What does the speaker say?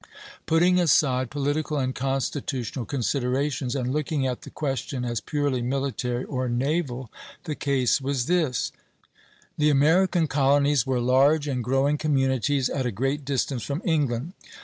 Putting aside political and constitutional considerations, and looking at the question as purely military or naval, the case was this: The American colonies were large and growing communities at a great distance from England.